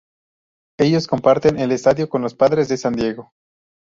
Ellos comparten el estadio con los Padres de San Diego.